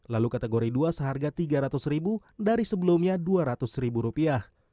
lalu kategori dua seharga tiga ratus ribu dari sebelumnya dua ratus ribu rupiah